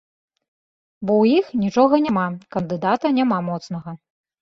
Бо ў іх нічога няма, кандыдата няма моцнага.